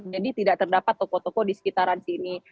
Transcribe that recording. jadi tidak terdapat toko toko di sekitaran sini